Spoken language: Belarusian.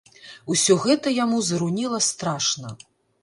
Усё гэта яму зарунела страшна.